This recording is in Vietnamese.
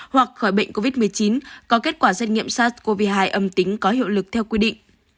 hoặc khỏi bệnh covid một mươi chín có kết quả xét nghiệm sars cov hai âm tính có hiệu lực theo quy định